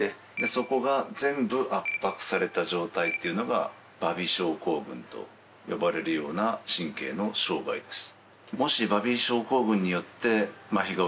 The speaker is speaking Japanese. そこが全部圧迫された状態っていうのが馬尾症候群と呼ばれるような神経の障害です